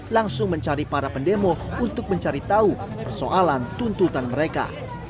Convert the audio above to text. langsung mencari para pendemo untuk mencari tahu persoalan tuntutan mereka